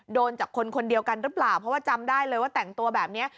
โดนจากคนคนเดียวกันหรือเปล่าเพราะว่าจำได้เลยว่าแต่งตัวแบบนี้